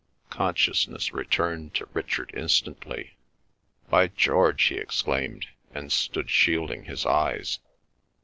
Consciousness returned to Richard instantly. "By George!" he exclaimed, and stood shielding his eyes.